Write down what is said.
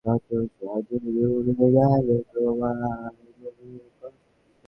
বিহারীও তাহার জবাব দিল।